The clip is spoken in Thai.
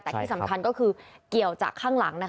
แต่ที่สำคัญก็คือเกี่ยวจากข้างหลังนะคะ